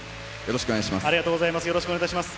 よろしくお願いします。